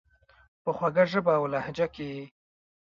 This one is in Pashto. په خوږه ژبه اولهجه کي یې،